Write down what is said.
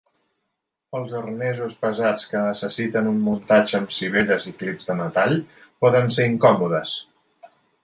Els arnesos pesats que necessiten un muntatge amb sivelles i clips de metall poden ser incòmodes.